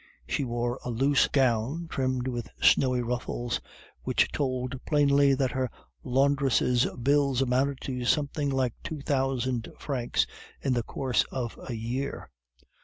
She wore a loose gown trimmed with snowy ruffles, which told plainly that her laundress' bills amounted to something like two thousand francs in the course of a year.